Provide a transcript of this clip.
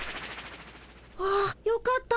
あっよかった！